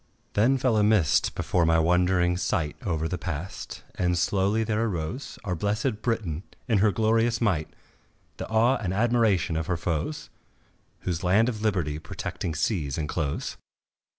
Then fell a mist before my wondering sight Over the past, and slowly there arose Our blessèd Britain in her glorious might, The awe and admiration of her foes, Whose land of liberty protecting seas enclose.